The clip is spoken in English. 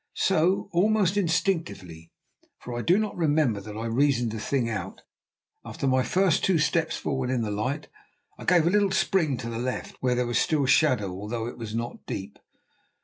So, almost instinctively, for I do not remember that I reasoned the thing out, after my first two steps forward in the light I gave a little spring to the left, where there was still shadow, although it was not deep.